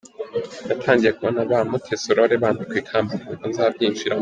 Natangiye kubona ba Mutesi Aurore bambikwa ikamba nkumva nzabyinjiramo.